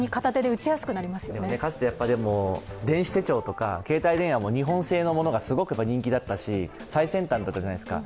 かつて電子手帳とか携帯電話も日本製のものが人気だったし最先端だったじゃないですか。